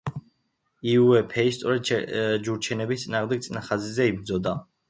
იუე ფეი სწორედ ჯურჩენების წინააღმდეგ წინა ხაზზე იბრძოდა.